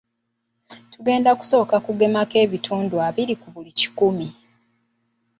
Tugenda kusooka okugemako ebitundu abiri ku buli kikumi.